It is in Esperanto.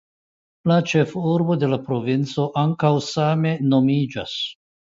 La ĉefurbo de la provinco ankaŭ same nomiĝas.